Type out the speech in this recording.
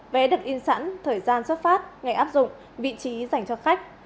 vé được in sẵn thời gian xuất phát ngày áp dụng vị trí dành cho khách